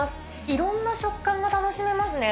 いろんな食感が楽しめますね。